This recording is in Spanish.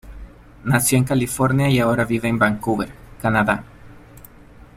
Nació en California y ahora vive en Vancouver, Canadá.